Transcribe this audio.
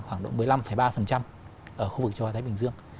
khoảng độ một mươi năm ba ở khu vực chòa thái bình dương